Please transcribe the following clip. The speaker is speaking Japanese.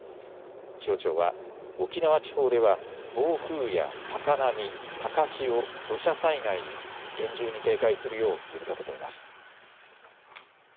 気象庁は沖縄地方では暴風や高波、高潮、土砂災害に厳重に警戒するよう呼びかけています。